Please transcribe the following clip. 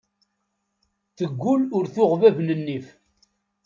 Teggul ur tuɣ bab n nnif.